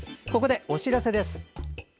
ここでお知らせです。